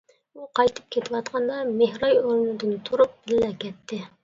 ئۇ قايتىپ كېتىۋاتقاندا مېھراي ئورنىدىن تۇرۇپ بىللە كەتتى.